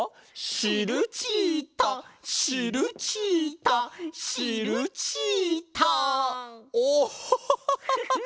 「シルチータシルチータシルチータ」オッホッホッホッホッホッ！